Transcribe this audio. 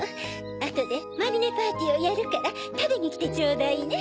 あとでマリネパーティーをやるからたべにきてちょうだいね。